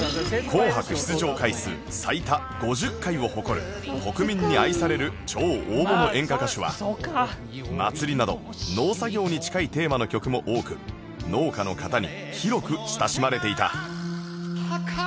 『紅白』出場回数最多５０回を誇る国民に愛される超大物演歌歌手は『まつり』など農作業に近いテーマの曲も多く農家の方に広く親しまれていた